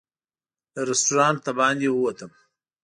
له رسټورانټ د باندې ووتم.